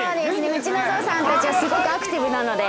◆うちの象さんたちは、すごくアクティブなので。